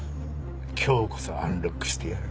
今日こそアンロックしてやる。